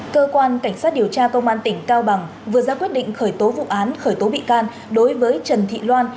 cơ quan cảnh sát điều tra công an tỉnh cao bằng vừa ra quyết định khởi tố vụ án khởi tố bị can đối với trần thị loan